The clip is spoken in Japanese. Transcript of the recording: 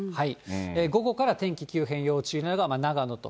午後から天気急変要注意なのが、長野と。